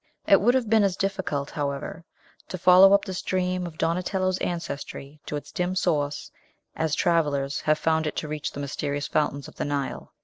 It would have been as difficult, however, to follow up the stream of Donatello's ancestry to its dim source, as travellers have found it to reach the mysterious fountains of the Nile.